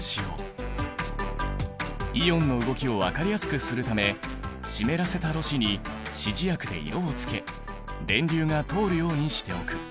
イオンの動きを分かりやすくするため湿らせたろ紙に指示薬で色をつけ電流が通るようにしておく。